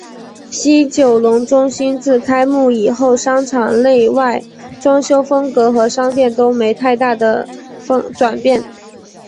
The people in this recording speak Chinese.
西九龙中心自开幕以后商场内外装修风格和商店都没太大的转变。